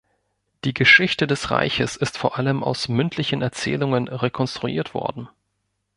Die Geschichte des Reiches ist vor allem aus mündlichen Erzählungen rekonstruiert worden.